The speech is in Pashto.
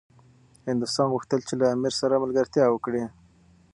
هندوستان غوښتل چي له امیر سره ملګرتیا وکړي.